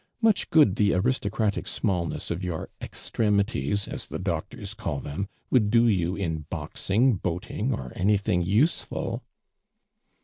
Much gooil the aristocratic sinallness of your extremities, as the doctois call them, would do you in boxing, boating, or any tiling useful